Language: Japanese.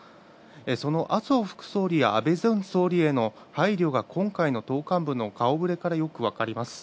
その麻生副総理や安倍前総理への配慮が今回の党幹部の顔ぶれからよく分かります。